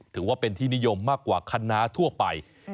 ถือว่าเป็นที่นิยมมากกว่าคณะทั่วไป